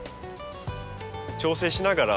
調整しながら。